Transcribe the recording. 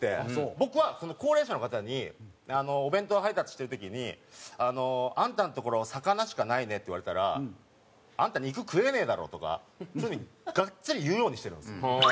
僕は高齢者の方にお弁当配達してる時に「あんたのところ魚しかないね」って言われたら「あんた肉食えねえだろ」とかそういう風にがっつり言うようにしてるんですよ。